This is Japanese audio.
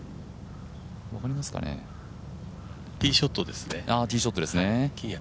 ティーショットですね。